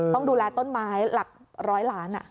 ต้องดูแลต้นไม้หลักร้อยล้าน